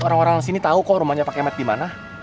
orang orang sini tau kok rumahnya pak kemet dimana